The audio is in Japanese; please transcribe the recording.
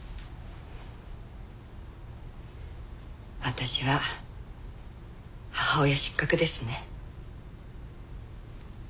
私は母親失格ですね。